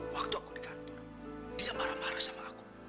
waktu aku di kantor dia marah marah sama aku